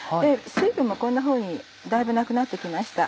水分もこんなふうにだいぶなくなって来ました。